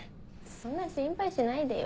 そんな心配しないでよ。